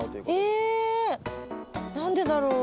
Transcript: えっ何でだろう？